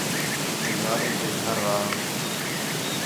کہ ظالم تے گھر آ